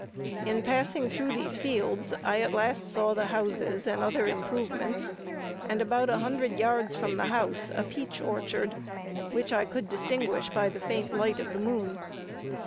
In passing through these fields, I at last saw the houses, and other improvements, and about a hundred yards from the house, a peach orchard, which I could distinguish by the faint light of the moon.